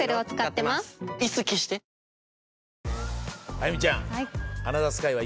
あやみちゃん。